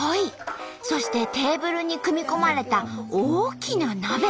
そしてテーブルに組み込まれた大きな鍋！